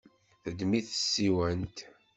Teddem-it tsiwant.